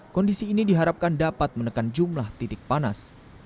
kondisi ini diharapkan dapat menekan jumlah titik panas